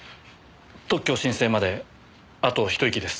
特許申請まであと一息です。